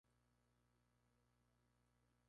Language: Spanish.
A su alrededor se extendía la amplia zona de huertas.